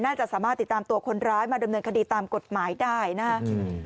น่าจะสามารถติดตามตัวคนร้ายมาดำเนินคดีตามกฎหมายได้นะครับ